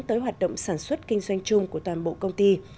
tới hoạt động sản xuất kinh doanh chung của toàn bộ công ty